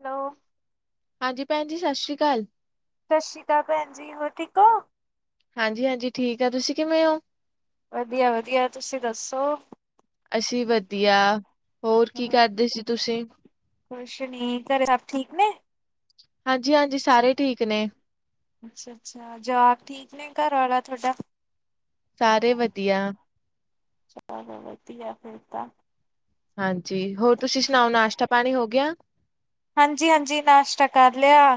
Hello ਹਾਂਜੀ ਭੈਣ ਜੀ, ਸਸ਼੍ਰੀ ਅਕਾਲ। ਸਸ਼੍ਰੀ ਅਕਾਲ ਭੈਣ ਜੀ, ਹੋਰ ਠੀਕ ਹੋ? ਹਾਂਜੀ-ਹਾਂਜੀ, ਠੀਕ ਆ ਤੁਸੀਂ ਕਿਵੇਂ ਹੋ? ਵਧੀਆ-ਵਧੀਆ ਤੁਸੀਂ ਦੱਸੋ? ਅਸੀਂ ਵਧੀਆ, ਹੋਰ ਕੀ ਕਰਦੇ ਸੀ ਤੁਸੀਂ? ਕੁਛ ਨਈ, ਘਰੇ ਸਭ ਠੀਕ ਨੇ? ਹਾਂਜੀ-ਹਾਂਜੀ, ਸਾਰੇ ਠੀਕ ਨੇ ਅੱਛਾ-ਅੱਛਾ, ਜਵਾਕ ਠੀਕ ਨੇ, ਘਰ ਆਲਾ ਤੁਡਾ ਸਾਰੇ ਵਧੀਆ ਚਲ ਵਧੀਆ, ਫਿਰ ਤਾਂ। ਹਾਂਜੀ, ਹੋਰ ਤੁਸੀਂ ਸੁਣਾਓ? ਨਾਸ਼ਤਾ ਪਾਣੀ ਹੋ ਗਿਆ ਹਾਂਜੀ-ਹਾਂਜੀ, ਨਾਸ਼ਤਾ ਕਰ ਲਿਆ,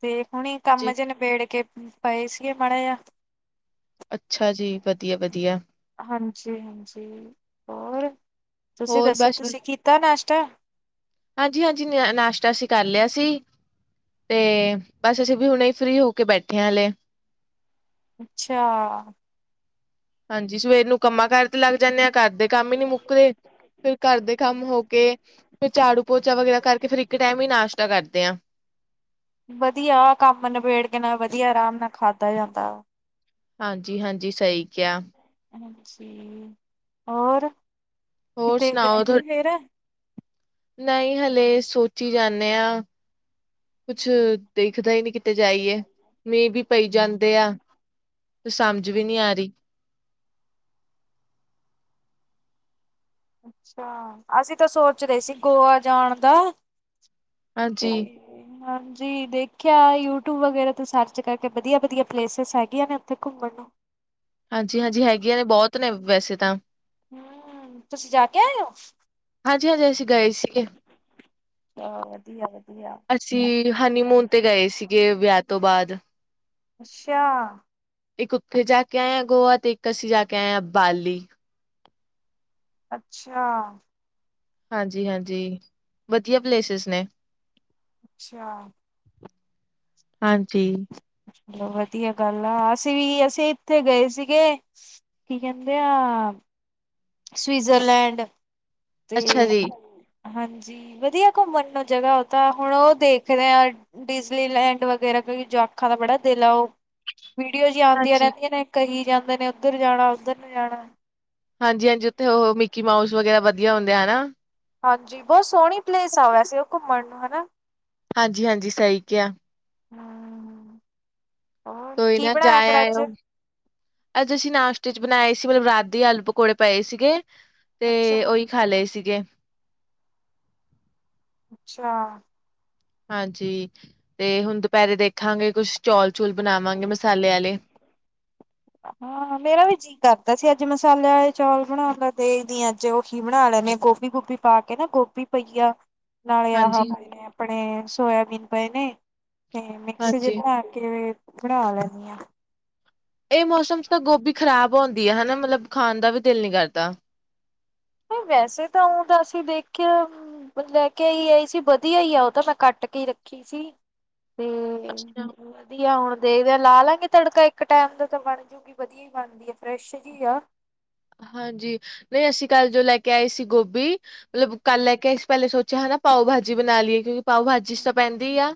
ਤੇ ਹੁਣੇ ਕੰਮ ਜੀ ਜ ਨਿਬੇੜ ਕੇ ਪਏ ਸੀਗੇ, ਮਾੜੇ ਜਿਹਾ। ਅੱਛਾ ਜੀ, ਵਧੀਆ-ਵਧੀਆ ਹਾਂਜੀ-ਹਾਂਜੀ ਹੋਰ, ਤੁਸੀਂ ਹੋਰ ਦੱਸੋ? ਬਸ ਤੁਸੀਂ ਕੀਤਾ ਨਾਸ਼ਤਾ ਹਾਂਜੀ-ਹਾਂਜੀ, ਨਾਸ਼ਤਾ, ਅਸੀਂ ਕਰ ਲਿਆ ਸੀ। ਤੇ ਬਸ ਅਸੀਂ ਵੀ ਹੁਣੇ, ਫ੍ਰਰੀ ਹੋ ਕੇ ਬੈਠੇਆਂ ਹਾਲੇ ਅੱਛਾ। ਹਾਂਜੀ, ਸਵੇਰ ਨੂੰ ਕੰਮਾਂ ਕਾਰ ਤੇ ਲੱਗ ਜਾਂਦੇ ਆਾਂ, ਘਰ ਦੇ ਕੰਮ ਹੀ ਨਈ ਮੁੱਕਦੇ ਫਿਰ ਘਰ ਦੇ ਕੰਮ ਹੋ ਕੇ, ਫਿਰ ਝਾੜੂ ਪੋਚਾ ਵਗੈਰਾ, ਕਰਕੇ ਫਿਰ ਇੱਕ ਟਾਈਮ ਹੀ,, ਨਾਸ਼ਤਾ ਕਰਦੇ ਆਂ ਵਧੀਆ, ਕੰਮ ਨਿਬੇੜ ਕੇ ਨਾਲ ਵਧੀਆ ਆਰਾਮ, ਨਾਲ ਖਾਧਾ ਜਾਂਦਾ ਹਾਂਜੀ-ਹਾਂਜੀ, ਸਹੀ ਕਿਹਾ ਹੋਰ ਹੋਰ ਕਿਤੇ ਸੁਣਾਉ? ਗਏ ਠੁ ਨੀ ਫੇਰ? ਨਹੀਂ ਹਾਲੇ ਸੋਚੀ ਜਾਂਣੇ ਆ ਕੁੱਛ ਦੇਖਦਾ ਹੀ ਨਈ ਕਿ ਤੇ ਜਾਈਏ, ਮੀਂਹ ਵੀ ਪਈ ਜਾਂਦੇ ਆ, ਤੇ ਸਮਝ ਵੀ ਨਹੀ ਆ ਰਹੀ ਹਾਂ, ਅਸੀਂ ਤਾਂ ਸੋਚ ਰਹੇ ਸੀ। ਗੋਆ ਜਾਣ ਦਾ ਤੇ ਹਾਂਜੀ, [unintelligible] ਹਾਂਜੀ ਦੇਖੇਆ ਯੂਟੂਊਬ ਵਗੈਰਾ ਤੇ ਸਰਚ ਕਰਕੇ ਵਦੀਆ-ਵਦੀਆ ਪਲੇਸਿਸ ਹੈਗੀਆਂ ਨੇ ਓਥੇ ਘੁੰਮਣ ਨੂੰ। ਹਾਂਜੀ-ਹਾਜੀ ਹੈਗੀਆਂ ਨੇ ਬੌਤ ਨੇ ਵੈਸੇ ਤਾਂ। ਹੂੰ। ਤੁਸੀਂ ਜਾ ਕੇ ਆਏ ਹੋ? ਹਾਂਜੀ-ਹਾਂਜੀ ਅਸੀਂ ਗਾਏ ਸੀਗੇ। [unintelligible] ਵਦੀਆ-ਵਦੀਆ ਅਸੀਂ ਹਨੀ ਮੂਨ ਤੇ ਗਏ ਸੀਗੇ ਵੇਆ ਤੋਂ ਬਾਦ। ਅੱਛਾ। ਇੱਕ ਉੱਥੇ ਜਾ ਕੇ ਆਏ ਆਂ ਗੋਆ ਤੇ ਇੱਕ ਅਸੀਂ ਜਾ ਕੇ ਆਏ ਆਂ ਬਾਲੀ। ਅੱਛਾ। ਹਾਂਜੀ-ਹਾਂਜੀ ਵਦੀਆ ਪਲੇਸਿਸ ਨੇ। ਅੱਛਾ। ਹਾਂਜੀ। ਚਲੋ ਵਦੀਆ ਗੱਲ ਆ ਅਸੀਂ ਵੀ ਅਸੀਂ ਈਥੇ ਗਏ ਸੀਗੇ। ਕੀ ਕੈਂਦੇ ਆ ਸਵੀਜ਼ਰਲੈਂਡ ਤੇ ਅੱਛਾ ਜੀ, ਹਾਂਜੀ ਵਦੀਆ ਘੁੰਮਣ ਨੂੰ ਜਗਾ ਓਤਾਂ ਹੁਣ ਓ ਦੇਖਦੇ ਆਂ ਡਿਜਲੀ ਲੈਂਡ ਵਗੈਰਾ ਕੋ ਕੀ ਯੋਆਖਾਂ ਦਾ ਬੜਾ ਦਿਲ ਆ ਓ ਵੀਡੀਓਜ਼ ਆਉਦੀਆਂ ਹਾਂਜੀ, ਰੈੱਦੀਆਂ ਨੇ ਕਹੀ ਜਾਂਦੇ ਨੇ ਓਦਰ ਜਾਣਾ ਓਦਰ ਨੂੰ ਜਾਣਾ ਹਾਂਜੀ-ਹਾਂਜੀ ਓਥੇ ਓ ਮਿੱਕੀ ਮਾਊਸ ਵਗੈਰਾ ਵਦੀਆ ਹੁੰਦੇ ਹਨਾ। ਹਾਂਜੀ, ਬੌ ਸੋਹਣੀ ਪਲੇਸ ਆ ਸੀ ਓ ਘੁੰਮਣ ਨੂੰ ਹਨਾ। ਹਾਂਜੀ-ਹਾਂਜੀ ਸਈ ਕੇਆ। ਹੂੰ-ਹੂੰ। ਕੋਈ ਨਾ ਜਾ ਅੱਜ? ਆਏਓ। ਅੱਜ ਅਸੀਂ ਨਾਸਟੇਜ ਬਣਾਏ ਸੀ ਮਤਲਬ ਰਾਤ ਦੇ ਆਲੂ ਪਕੌੜੇ ਪਏ ਸੀਗੇ। ਤੇ ਅੱਛਾ। ਓਈ ਖਾ ਲੇ ਸੀਗੇ। ਅੱਛਾ। ਹਾਂਜੀ, ਤੇ ਹੁਣ ਦੁਪੈਰੇ ਦੇਖਾਂਗੇ ਕੁਛ ਚੌਲ-ਚੂਲ ਬਣਾਵਾਂਗੇ ਮਸਾਲੇ ਆਲੇ। ਹਾਂ ਮੇਰਾ ਵੀ ਜੀ ਕੀ ਕਰਦਾ ਸੀ ਅੱਜ ਮਸਾਲੇ ਵਾਲੇ ਚੌਲ ਬਣਾ ਲੈ [unintelligible] ਅੱਜ ਓਹੀ ਬਣਾ ਲੈਨੀ ਆ ਗੋਭੀ ਗੁਬੀ ਪਾ ਕੇ ਨਾ ਗੋਭੀ ਪਈਆ ਨਾਲੇ ਆਹਾ ਪਏ ਹਾਂਜੀ-ਹਾਂਜੀ ਨੇ ਆਪਣੇ, ਸੋਏਆਬੀਨ ਪਏ ਨੇ, ਤੇ ਮਿਕਸ ਜੇ ਬਣਾ ਕਿਵੇਂ, ਬਣਾ ਲੈਂਨੀ ਆਂ। ਏ ਮੌਸਮ ਚ ਤਾਂ ਗੋਭੀ ਖਰਾਬ ਹਉਂਦੀ ਆ ਹਨਾ ਮਲਬ ਖਾਣ ਦਾ ਵੀ ਦਿਲ ਨੀ ਕਰਦਾ। ਨੀ ਵੈਸੇ ਤਾਂ ਓ ਦਾ ਅਸੀਂ ਦੇਖੇਆ ਹੂੰ ਬਨਲੈ ਕੇ ਆਈ ਸੀ ਵਦੀਆ ਈ ਆ ਓ ਤਾਂ ਮੈਂ ਕੱਟ ਕੇ ਰੱਖੀ ਸੀ। ਹੂੰ ਅੱਛਾ ਵ ਵਦੀਆ ਹੁਣ ਦੇਖਦੇ ਲਾ ਲਾਂਗੇ ਤੜਕਾ ਇੱਕ ਟਾਈਮ ਦਾ ਤਾਂ ਬਣ ਜਾੂਗੀ ਵਦੀਆ ਈ ਬਣਦੀ ਆ ਫਰੈਸ਼ ਜੀ ਆ। ਹਾਂਜੀ ਨਈ ਅਸੀਂ ਕੱਲ ਜੋ ਲੈ ਕੇ ਆਏ ਸੀ ਗੋਬੀ ਮਲਬ ਕੱਲ ਲੈ ਕੇ ਆਏ ਸੀ ਪੈਂਲੇ ਸੋਚੇਆ ਹੈਗਾ ਪਾਓ ਬਾਜੀ ਬਣਾ ਲੀਏ ਕਿਉਂਕੀ ਪਾਓ ਬਾਜੀ ਸਪੈਂਦੀ ਆ।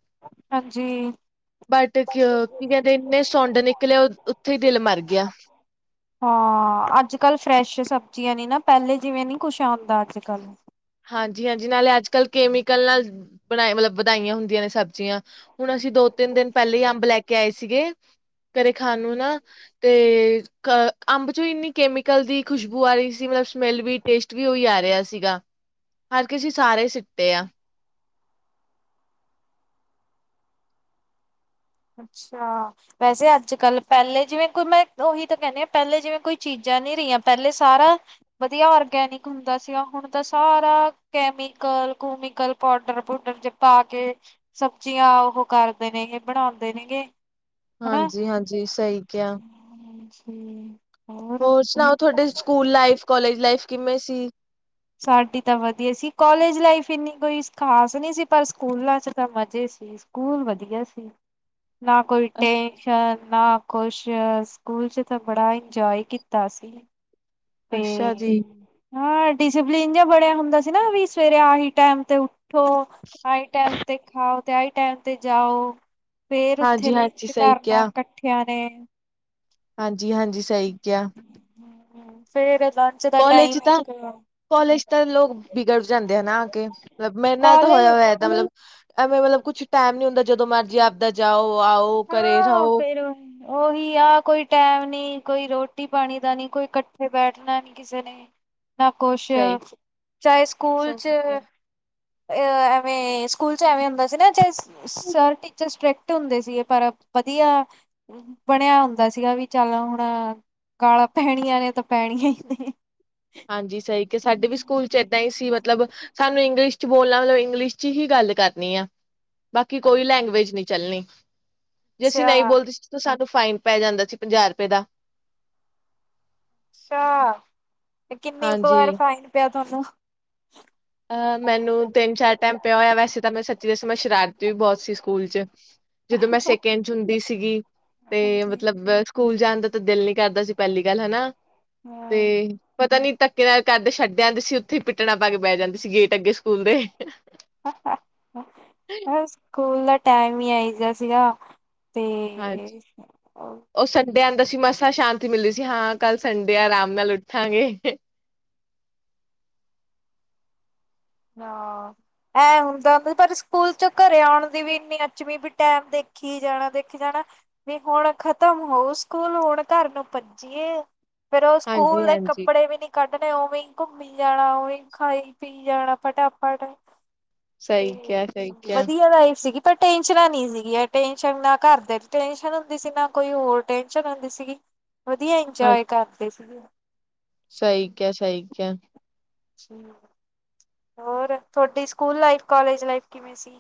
ਹਾਂਜੀ। ਬਟ ਕੀਆ ਕੀ ਕੈਂਦੇ ਈਨੇ ਸੁੰਡ ਨਿਕਲੇ ਉ ਉੱਥੇ ਦਿਲ ਮਰ ਗੇਆ। ਹਾਂ ਅੱਜ-ਕੱਲ ਫਰੈਸ਼ ਸਬਜ਼ੀਆਂ ਨੀ ਨਾ ਪੈਂਲੇ ਜਿਵੇਂ ਨੀ ਕੁਛ ਆਂਦਾ ਅੱਜ-ਕੱਲ। ਹਾਂਜੀ-ਹਾਂਜੀ ਨਾਲੇ ਅੱਜ-ਕੱਲ ਕੇਮੀਕਲ ਨਾਲ, ਬਨਾ ਮਲਬ ਵਦਾਈਆਂ ਹੁੰਦੀਆਂ ਨੇ ਸਬਜ਼ੀਆਂ। ਹੁਨ ਅਸੀਂ ਦੋ-ਤਿੰਨ ਦਿਨ ਪੈਂਲੇ ਈ ਅੰਬ ਲੈ ਕੇ ਆਏ ਸੀਗੇ। ਘਰੇ ਖਾਨ ਨੂੰ ਨਾ ਤੇ ਕ ਅੰਬ ਚ ਹੀ ਇੰਨੀ ਕੈਮੀਕਲ ਦੀ ਖੁਸ਼ਬੂ ਆ ਰਹੀ ਸੀ। ਮਤਲਬ ਸਮੈਲ ਵੀ ਟੇਸਟ ਵੀ ਉਹੀ ਆ ਰਿਹਾ ਸੀਗਾ। ਹਰਕੇ ਅਸੀਂ ਸਾਰੇ ਸਿੱਟੇ ਆ। ਅੱਛਾ। ਵੈਸੇ ਅੱਜ ਕੱਲ੍ਹ ਪਹਿਲੇ ਜਿਵੇਂ ਕੋਈ ਮੈਂ ਉਹੀ ਤਾਂ ਕਹਿਣੀ ਆ, ਪਹਿਲੇ ਜਿਵੇਂ ਕੋਈ ਚੀਜ਼ਾਂ ਨੀ ਰਹੀਆਂ ਪਹਿਲੇ ਸਾਰਾ ਵਧੀਆ ਔਰਗੈਨਿਕ ਹੁੰਦਾ ਸੀਗਾ, ਹੁਣ ਤਾਂ ਸਾਰਾ ਕੈਮੀਕਲ -ਕੁਮਿਕਲ, ਪਾਊਡਰ -ਪੂਡਰ ਜੇ ਪਾ ਕੇ ਸਬਜ਼ੀਆਂ ਉਹ ਕਰਦੇ ਨੇ ਇਹ, ਬਣਾਉਂਦੇ ਨੇਗੇ। ਹਨਾ। ਹਾਂਜੀ, ਹਾਂਜੀ, ਸਹੀ ਕਿਹਾ। ਹਾਂਜੀ। ਹੋਰ ਸੁਣਾਓ, ਤੁਹਾਡੇ ਸਕੂਲ ਲਾਈਫ, ਕਾਲਜ ਲਾਈਫ ਕਿਵੇਂ ਸੀ। ਸਾਡੀ ਤਾਂ ਵਧੀਆ ਸੀ, ਕਾਲਜ ਲਾਈਫ ਇੰਨੀ ਕੋਈ ਖ਼ਾਸ ਨਹੀਂ ਸੀ, ਪਰ ਸਕੂਲਾਂ ਚ ਤਾਂ ਮਜ਼ੇ ਸੀ। ਸਕੂਲ ਵਧੀਆ ਸੀ, ਨਾ ਕੋਈ ਟੇ ਨਾ ਕੁਛ, ਸਕੂਲ ਚ ਤਾਂ ਬੜਾ ਇੰਜੋਇ ਕੀਤਾ ਅਸੀ। ਅੱਛਾ ਜੀ। ਹਾਂ, ਡਿਸਿਪਲਿਨ ਜਿਹਾ ਬਣਿਆ ਹੁੰਦਾ ਸੀ ਨਾ ਵੀ ਸਵੇਰੇ ਆ ਹੀ ਟਾਈਮ ਤੇ ਉ ਉੱਠੋ, ਆਈ ਟਾਈਮ ਤੇ ਖਾਓ, ਤੇ ਆਈ ਟਾਈਮ ਤੇ ਜਾਓ। ਫੇਰ ਉੱਥੇ ਹਾਂਜੀ-ਹਾਂਜੀ ਲੰਚ ਸਹੀ ਕਰਨਾ ਇਕੱਠਿਆਂ ਨੇ। ਹਾਂਜੀ, ਹਾਂਜੀ ਸਹੀ ਕਿਹਾ। ਹੂੰ, ਫੇਰ ਲੰਚ ਦਾ ਟਾਈਮ ਇੱਕ ਕੋਲੇਜ ਤਾਂ ਲੋਕ ਬਿਗੜ ਜਾਂਦੇ ਆ ਨਾ ਆ ਕੇ, ਮਤਲਬ ਮੇਰੇ ਨਾਲ ਤਾਂ ਹੋਇਆ ਕਾਲਜ ਹੋਇਆ ਏਦਾ ਦਾ। ਐਵੇਂ ਮਤਲਬ ਕੁਛ ਟਾਈਮ ਨੀ ਹੁੰਦਾ, ਜਦੋਂ ਮਰਜ਼ੀ ਆਪਦਾ ਜਾਓ ਆਓ ਘਰੇ। ਆ ਰਹੋ ਫੇਰ ਉਹੀ ਆ, ਕੋਈ ਟੈਮ ਨੀ, ਕੋਈ ਰੋਟੀ -ਪਾਣੀ ਦਾ ਨੀ, ਕੋਈ ਇਕੱਠੇ ਬੈਠਣਾ ਨੀ। ਕਿਸੇ ਨੇ ਨਾ ਕੁਛ, ਸਹੀ ਚਾਹੇ ਸਕੂਲ ਸਹੀ ਚ ਕਿਹਾ ਅ, ਐਵੇਂ ਸਕੂਲ ਚ ਐਵੇਂ ਹੁੰਦਾ ਸੀ ਨਾ ਜਿਸ ਸਰ -ਟੀਚਰ ਸਟ੍ਰਿਕਟ ਹੁੰਦੇ ਸੀਗੇ, ਪਰ ਵਧੀਆ ਬਣਿਆ ਹੁੰਦਾ ਸੀਗਾ ਵੀ ਚੱਲ ਹੁਣ ਗਾਲਾਂ ਪੈਣੀਆਂ ਨੇ ਤਾਂ ਪੈਣੀਆਂ ਹੀ ਨੇ। ਹਾਂਜੀ, ਸਹੀ ਕਿ ਸਾਡੇ ਵੀ ਸਕੂਲ ਚ ਏਦਾਂ ਹੀ ਸੀ ਮਤਲਬ ਸਾਨੂੰ ਇੰਗਲਿਸ਼ ਚ ਬੋਲਣਾ ਮਤਲਬ ਇੰਗਲਿਸ਼ ਚ ਹੀ ਗੱਲ ਕਰਨੀ ਆ। ਬਾਕੀ ਕੋਈ ਲੈਂਗੁਏਜ ਨਹੀਂ ਚੱਲਣੀ। ਜੇ ਅਸੀਂ ਅੱਛਾ। ਨਹੀਂ ਬੋਲਦੇ ਤਾਂ ਸਾਨੂੰ ਫਾਈਨ ਪੈ ਜਾਂਦਾ ਸੀ ਪੰਜਾਹ ਰੁਪਏ ਦਾ। ਅੱਛਾ, ਤੇ ਕਿੰਨੀ ਕੁ ਵਾਰ ਹਾਂਜੀ ਫਾਈਨ ਪਿਆ ਤੁਹਾਨੂੰ? ਅ, ਮੈਨੂੰ ਤਿੰਨ-ਚਾਰ ਟਾਈਮ ਪਿਆ ਹੋਇਆ, ਵੈਸੇ ਤਾਂ ਮੈਂ ਤੁਹਾਨੂੰ ਸੱਚੀ ਦਸਾ ਮੈਂ ਸ਼ਰਾਰਤੀ ਵੀ ਬਹੁਤ ਸੀ ਸਕੂਲ ਚ। ਜਦੋਂ ਮੈਂ ਸੈਕਿੰਡ ਚ ਹੁੰਦੀ ਸੀਗੀ ਤੇ ਹਾਂਜੀ ਮਤਲਬ ਸਕੂਲ ਜਾਣ ਦਾ ਤਾਂ ਦਿਲ ਨੀ ਕਰਦਾ ਸੀ ਪਹਿਲੀ ਗੱਲ ਹੈਨਾ, ਹਾਂ ਤੇ ਪਤਾ ਨੀ ਘਰ ਦੇ ਛੱਡ ਆਂਦੇ ਸੀ, ਉੱਥੇ ਹੀ ਪਿੱਟਣਾ ਪਾ ਕੇ ਬਹਿ ਜਾਂਦੇ ਸੀ, ਗੇਟ ਅੱਗੇ ਸਕੂਲ ਦੇ। ਹਾਹਾਹ, ਸਕੂਲ ਦਾ ਟੈਮ ਹੀ ਇਹੋ ਜਿਹਾ ਸੀਗਾ। ਹਾਂਜੀ, ਤੇ ਉਹ ਸੰਡੇ ਆਂਦਾ ਸੀ, ਮਸਾਂ ਸ਼ਾਂਤੀ ਮਿਲਦੀ ਸੀ, ਹਾਂ ਕੱਲ੍ਹ ਸੰਡੇ ਆ, ਆਰਾਮ ਨਾਲ ਉਠ ਹਾਂਜੀ। ਹਾਂ। ਐ ਹੁੰਦਾ ਐ, ਪਰ ਸਕੂਲ ਚੋਂ ਘਰੇ ਆਉਣ ਦੀ ਵੀ ਇੰਨੀ ਘੜੀ ਚ ਵੀ ਟੈਮ ਦੇਖੀ ਜਾਣਾ-ਦੇਖੀ ਜਾਣਾ। ਵੀ ਹੁਣ ਖਤਮ ਹੋਊ ਸਕੂਲ, ਹੁਣ ਘਰ ਨੂੰ ਭੱਜੀਏ। ਫੇਰ ਉਹ ਹਾਂਜੀ ਸਕੂਲ ਦੇ ਹਾਂਜੀ ਕੱਪੜੇ ਵੀ ਨੀ ਕੱਢਣੇ, ਉਵੇਂ ਘੁੰਮੀ ਜਾਣਾ, ਉਵੇਂ ਖਾਈ- ਪੀਵੀ ਜਾਣਾ। ਫਟਾਫੱਟ, ਸਹੀ ਕਿਹਾ ਤੇ ਸਹੀ ਕਿਹਾ ਵਧੀਆ ਲਾਈਫ ਸੀਗੀ। ਪਰ ਟੈਂਨਸ਼ਨਾ ਨੀ ਸੀਗੀਆਂ, ਟੈਂਨਸ਼ਨ ਨਾ ਘਰ ਦੇ ਟੈਂਨਸ਼ਨ ਹੁੰਦੀ ਸੀ, ਨਾ ਕੋਈ ਹੋਰ ਟੈਂਨਸ਼ਨ ਹੁੰਦੀ ਸੀਗੀ। ਵਧੀਆ ਇੰਜੋਏ ਕਰਦੇ ਸੀ। ਸਈ ਕਿਆ, ਸਈ ਕਿਆ। ਹੋਰ, ਥੋਡੀ ਸਕੂਲ ਲਾਈਫ, ਕਾਲਜ ਲਾਈਫ ਕਿਵੇਂ ਸੀ?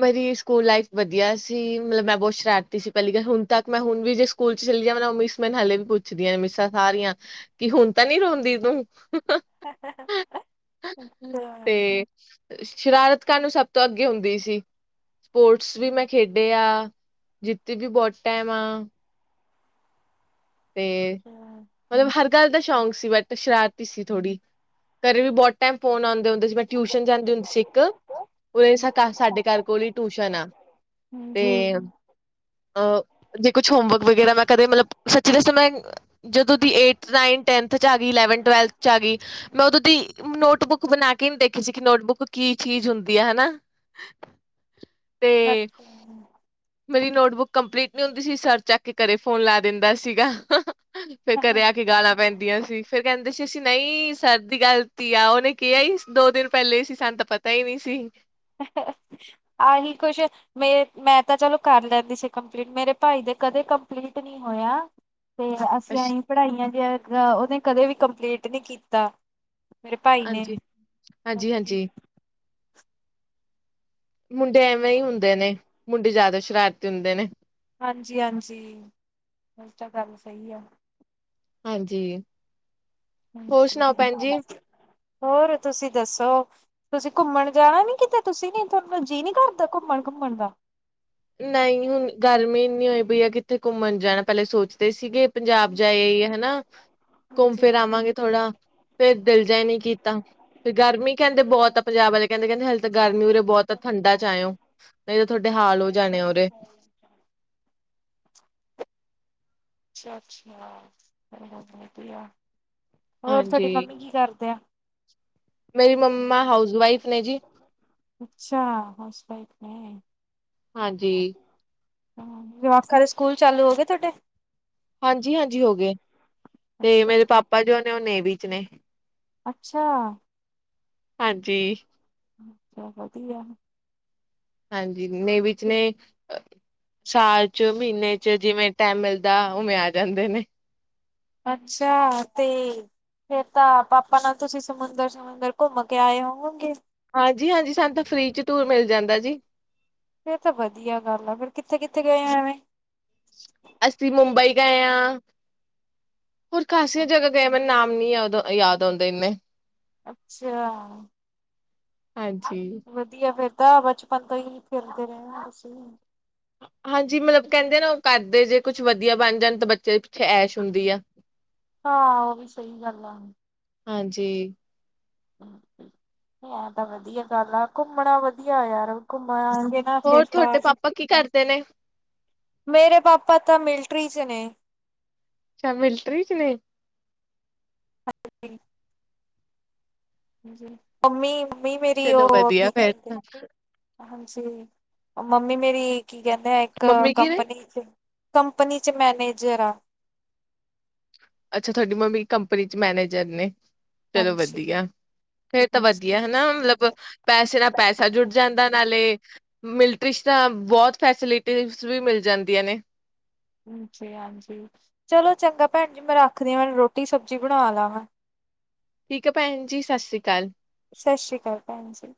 ਮੇਰੀ ਸਕੂਲ ਲਾਈਫ ਵਧੀਆ ਸੀ, ਮਤਲਬ ਮੈਂ ਬਹੁਤ ਸ਼ਰਾਰਤੀ ਸੀ ਪਹਿਲੀ ਗੱਲ ਹੁਣ ਤੱਕ ਮੈਂ ਹੁਣ ਵੀ ਜੇ ਸਕੂਲ ਸਕੂਲ ਚਲੀ ਜਾਵਾ ਨਾ, ਉਹ ਮਿਸ ਮੈਨੂੰ ਹਲੇ ਵੀ ਪੁੱਛਦੀਆਂ ਨੇ, ਮਿਸਾਂ ਸਾਰੀਆਂ ਕਿ ਹੁਣ ਤਾਂ ਨੀ ਰੋਂਦੀ ਤੂੰ। ਅੱਛਾ। ਤੇ ਸ਼ਰਾਰਤ ਕਰਨ ਨੂੰ ਸਭ ਤੋਂ ਅੱਗੇ ਹੁੰਦੀ ਸੀ ਸਪੋਰਟਸ ਵੀ ਮੈਂ ਖੇਡੇ ਆ, ਜਿੱਤੀ ਵੀ ਬਹੁਤ ਟਾਈਮ ਆ ਤੇ, ਅੱਛਾ ਮਤਲਬ ਹਰ ਗੱਲ ਦਾ ਸ਼ੌਂਕ ਸੀ, ਬਟ ਸ਼ਰਾਰਤੀ ਸੀ ਥੋੜ੍ਹੀ, ਘਰੇ ਵੀ ਬੋਤ ਟਾਈਮ ਫੋਨ ਆਦੇ ਹੁੰਦੇ ਬ ਟਿਊਸ਼ਨ ਜਾਂਦੇ ਹੁੰਦੀ ਸੀ ਇੱਕ, ਉਹਨਾਂ ਨੇ ਸਾਡੇ ਘਰ ਕੋਲ ਈ ਟਿਊਸ਼ਨ ਆ ਜੀ। ਅਹ ਜੇ ਕੁਛ ਹੋਮਵਰਕ ਵਗੈਰਾ, ਮੈਂ ਕਦੇ ਮਤਲਬ ਸੱਚੀ ਦਸ ਮੈਂ ਜਦੋਂ ਦੀ ਏਥ, ਨਾਈਨ, ਟੈਨਥ ਚ ਆ ਗਈ, ਟਵੈਲਥ-ਟਵੈਲਥ ਚ ਆ ਗਈ ਮੈਂ ਉਦੋਂ ਦੀ ਨੋਟਬੁੱਕ ਬਣਾ ਕੇ ਨੀ ਦੇਖੀ ਸੀ ਕਿ ਨੋਟਬੁੱਕ ਕੀ ਚੀਜ਼ ਹੁੰਦੀ ਆ ਹਨਾ। [inaudible] ਤੇ, ਅੱਛਾ ਮੇਰੀ ਨੋਟਬੁੱਕ ਕੰਪਲੀਟ ਨੀ ਹੁੰਦੀ ਸੀ, ਸਰ ਚੱਕ ਕੇ ਘਰੇ ਫੋਨ ਲੈ ਦਿੰਦਾ ਸੀਗਾ, ਫੇਰ ਘਰੇ ਆ ਕੇ ਗਾਲਾਂ ਪੈਂਦੀਆਂ ਸੀ ਫਿਰ ਕਹਿੰਦੇ ਸੀ, ਅਸੀ ਨਈ ਸਰ ਦੀ ਗਲਤੀ ਆ, ਉਹਨੇ ਕਿਹਾ ਈ ਦੋ ਦਿਨ ਪਹਿਲੇ ਸੀ ਸਾਨੂੰ ਤਾਂ ਪਤਾ ਈ ਨੀ ਸੀ ਆਹੀ ਕੁਛ ਮੇ ਮੈਂ ਤਾਂ ਚਲੋ ਕਰ ਲੈਂਦੀ ਸੀ ਕੰਪਲੀਟ, ਮੇਰੇ ਭਾਈ ਦੇ ਕਦੇ ਕੰਪਲੀਟ ਨੀ ਹੋਇਆ ਤੇ ਅਛ ਅਸੀਂ ਪੜ੍ਹਾਈਆਂ ਦਿਆ ਅ ਉਹਨੇ ਕਦੇ ਵੀ ਕੰਪਲੀਟ ਨੀ ਕੀਤਾ ਮੇਰੇ ਭਾਈ ਨੇ, ਹਾਂਜੀ। ਹਾਂਜੀ ਹਾਂਜੀ-ਹਾਂਜੀ ਮੁੰਡੇ ਐਵੇਂ ਈ ਹੁੰਦੇ ਨੇ, ਮੁੰਡੇ ਜ਼ਿਆਦਾ ਸ਼ਰਾਰਤੀ ਹੁੰਦੇ ਨੇ। ਹਾਂਜੀ-ਹਾਂਜੀ, ਇਹ ਤਾਂ ਗੱਲ ਸਈ ਆ ਹਾਂਜੀ, ਹੋਰ ਸੁਣਾਓ ਭੈਣ ਜੀ? ਹਾਂਜੀ ਹੋਰ ਤੁਸੀਂ ਦੱਸੋ ਤੁਸੀਂ ਘੁੰਮਣ ਜਾਣਾ ਨੀ ਕਿਤੇ, ਤੁਸੀਂ ਨੀ ਤੁਹਾਨੂੰ ਜੀਅ ਨੀ ਕਰਦਾ ਘੁੰਮਣ-ਘੁੰਮਣ ਦਾ ਨਈ ਹੁਣ ਗਰਮੀ ਇੰਨੀ ਹੋਈ ਪਈ ਆ, ਕਿੱਥੇ ਘੁੰਮਣ ਜਾਣਾ ਪਹਿਲੇ ਸੋਚਦੇ ਸੀਗੇ ਪੰਜਾਬ ਜਾ ਆਈ ਆ ਹਨਾ, ਘੁੰਮ ਜੀ ਫਿਰ ਆਵਾਂਗੇ ਥੋੜਾ ਫੇਰ ਦਿਲ ਜਾ ਈ ਨੀ ਕੀਤਾ ਫੇਰ ਗਰਮੀ ਕਹਿੰਦੇ ਬਹੁਤ ਆ ਪੰਜਾਬ ਵਾਲੇ ਕਹਿੰਦੇ, ਕਹਿੰਦੇ ਹਾਲੇ ਤਾਂ ਗਰਮੀ ਉਰੇ ਬਹੁਤ ਠੰਡਾ ਚ ਆਇਓ ਨਈ ਤਾਂ ਤੁਹਾਡੇ ਹਾਲ ਹੋ ਸਾਹਮਣੇ ਜਾਣੇ ਬੰਦੇ ਆ ਨੂੰ ਉਰੇ ਪ੍ਰੋਬਲਮ ਅੱਛਾ-ਅੱਛਾ, ਹੋਰ ਤੁਹਾਡੀ ਹਾਂਜੀ। ਮੰਮੀ ਕੀ ਕਰਦੇ ਆ? ਮੇਰੀ ਮੰਮਾ ਹਾਊਸ ਵਾਈਫ ਨੇ ਜੀ। ਅੱਛਾ, ਹਾਊਸ ਵਾਈਫ ਨੇ। ਹਾਂਜੀ। ਜਵਾਖਾ ਦੇ ਸਕੂਲ ਚਾਲੂ ਹੋ ਗਏ ਤੁਹਾਡੇ? ਹਾਂਜੀ-ਹਾਂਜੀ ਹੋ ਗਏ, ਤੇ ਅੱਛਾ ਮੇਰੇ ਪਾਪਾ ਜੋ ਨੇ ਉਹ ਨੇਵੀ ਚ ਨੇ ਅੱਛਾ। ਹਾਂਜੀ। [inaudible] ਹਾਂਜੀ, ਨਈ ਵਿਚਲੇ। ਸਾਲ ਚ, ਮੀਨੇ ਚ ਜਿਵੇਂ ਟੈਮ ਮਿਲਦਾ, ਓਵੇਂ ਆ ਜਾਂਦੇ ਨੇ। ਅੱਛਾ ਤੇ ਫੇਰ ਤਾਂ ਪਾਪਾ ਨਾਲ ਤੁਸੀਂ ਸਮੁੰਦਰ-ਸਮੁੰਦਰ ਘੁੰਮ ਕੇ ਆਏ ਹੋਵੋਗੇ? ਹਾਂਜੀ-ਹਾਂਜੀ, ਸਾਨੂੰ ਤਾ ਫਰੀ ਚ ਟੂਰ ਮਿਲ ਜਾਂਦਾ ਜੀ। ਫੇਰ ਤਾਂ ਵਦੀਆ ਗੱਲ ਆ, ਫੇਰ ਕਿੱਥੇ-ਕਿੱਥੇ ਗਏ ਓ ਐਵੇਂ? ਅਸੀਂ ਮੁੰਬਈ ਗਏ ਆਂ, ਹੋਰ ਖਾਸੀਆਂ ਜਗਾ ਗਏ ਆਂ ਮੈਨੂੰ ਨਾਮ ਨੀ ਯਾਦ ਯਾਦ ਔਂਦੈ ਏਂਨੇ। ਅੱਛਿਆ, ਹਾਂਜੀ। ਵਦੀਆ ਫੇਰ। ਤਾਂ ਬਚਪਨ ਤੋਂ ਈ ਫਿਰਦੇ ਰਏ ਓਂ ਤੁਸੀਂ? ਹਾਂਜੀ ਮਤਲਬ, ਕੈਂਦੇ ਆ ਨਾ ਓ ਕਰਦੇ ਜੇ ਕੁੱਛ ਵਦੀਆ ਬਨ ਜਾਨ ਤਾਂ ਬੱਚੇ ਦੀ ਪਿੱਛੇ ਐਸ਼ ਹੁੰਦੀ ਆ। ਹਾਂ, ਓ ਵੀ ਸਈ ਗੱਲ ਆ। ਹਾਂਜੀ। ਐ ਤਾਂ ਵਦੀਆ ਗੱਲ ਆ, ਘੁੰਮਨਾ ਵਦੀਆ ਯਾਰ ਘੁੰਮਾ ਗੇ ਫੇਰ ਹੋਰ ਤਾਂ, ਤੁਹਾਡੇ ਪਾਪਾ ਕੀ ਕਰਦੇ ਨੇ ਮੇਰੇ ਪਾਪਾ ਤਾਂ ਮਿਲਟਰੀ ਚ ਨੇ। ਅੱਛਾ ਮਿਲਟਰੀ ਚ ਨੇ। ਹਾਂਜੀ, ਹਾਂਜੀ ਮੰਮੀ ਮੰਮੀ ਮੇਰੀ ਚਲੋ ਓਹ ਆ ਕੀ ਵਧੀਆ ਫੇਰ ਕੈਂਦੇ ਤਾਂ ਹਾਂਜੀ ਓ ਮੰਮੀ ਮੇਰੀ ਕੀ ਕੈਨੇ ਆ ਇੱਕ ਮੰਮੀ ਕੀ ਨੇ ਕੰਪਨੀ ਚ ਕੰਪਨੀ ਚ ਮੈਨੇਜਰ ਆ। ਅੱਛਾ ਥੋਡੀ ਮੰਮੀ ਕੰਪਨੀ ਚ ਮੈਨੇਜਰ ਨੇ ਚਲੋ ਹਾਂਜੀ ਵਦੀਆ। ਫੇਰ ਤਾਂ ਵਦੀਆ ਹਾਂਜੀ ਹਨਾ ਮਤਲਬ ਪੈਸੇ ਨਾਲ ਪੈਸਾ ਜੁੜ ਜਾਂਦਾ ਨਾਲੇ ਮਿਲਟਰੀ ਚ ਤਾਂ ਬੋਤ ਫੈਸਿਲਟੀਜ਼ ਵੀ ਮਿਲ ਜਾਂਦੀਆਂ ਨੇ। ਹਾਂਜੀ-ਹਾਂਜੀ, ਚਲੋ ਚੰਗਾ ਭੈਨ ਜੀ ਮੈਂ ਰੱਖਦੀ ਆਂ ਮੈਨੂੰ ਰੋਟੀ ਸਬਜ਼ੀ ਬਨਾ ਲਾ ਮੈਂ। ਠੀਕ ਆ ਭੈਨ ਜੀ ਸਸ਼੍ਰੀ ਕਾਲ। ਸਸ਼੍ਰੀ ਕਾਲ ਭੈਨ ਜੀ।